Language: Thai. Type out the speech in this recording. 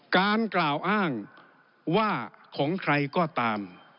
กล่าวอ้างว่าของใครก็ตาม